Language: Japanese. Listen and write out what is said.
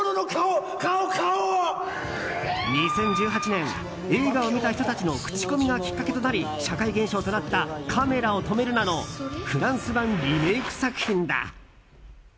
２０１８年映画を見た人たちの口コミがきっかけとなり社会現象となった「カメラを止めるな！」のフランス版リメイク作品だ。